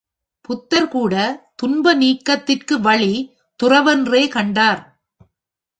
புத்தர் கூட துன்ப நீக்கத்திற்கு வழி துறவென்றே கண்டார்.